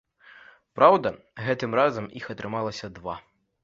Праўда, гэтым разам іх атрымалася два.